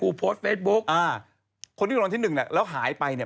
กูโพสต์เฟซบุ๊กอ่าคนที่รางวัลที่๑เนี่ยแล้วหายไปเนี่ย